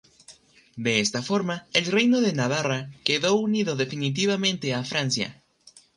De esta forma, el reino de Navarra quedó unido definitivamente a Francia.